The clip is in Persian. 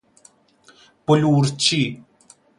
بلورچی